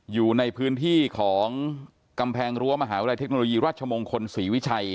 อยู่ในพื้นที่ของกำแพงรั้วมหาวิทยาลัยเทคโนโลยีราชมงคลศรีวิชัย